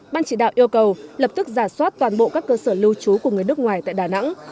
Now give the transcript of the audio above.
ban chỉ đạo yêu cầu lập tức giả soát toàn bộ các cơ sở lưu trú của người nước ngoài tại đà nẵng